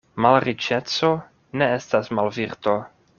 Malriĉeco ne estas malvirto.